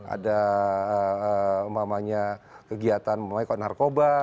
ada kegiatan narkoba